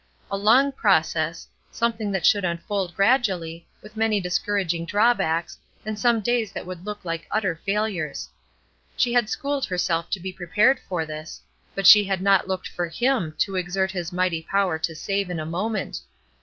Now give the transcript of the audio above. A long process something that should unfold gradually, with many discouraging drawbacks, and some days that would look like utter failures. She had schooled herself to be prepared for this, but she had not looked for Him to exert His mighty power to save in a moment.